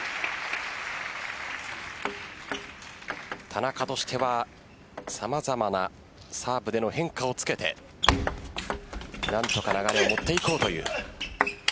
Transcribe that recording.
田中としてはさまざまなサーブでの変化をつけて何とか流れをもっていこうという。